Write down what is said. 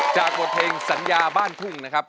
บทเพลงสัญญาบ้านทุ่งนะครับ